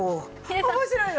面白いよ。